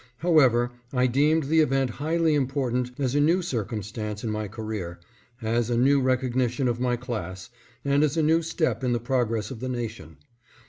However, I deemed the event highly important as a new circumstance in my career, as a new recognition of my class, and as a new step in the progress of the nation.